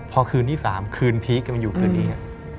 พอคืนที่๓คืนพีคกันมาอยู่คืนนี้